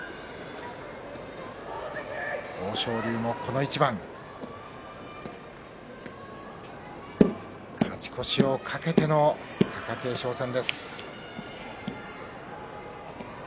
豊昇龍もこの一番勝ち越しを懸けての貴景勝戦です。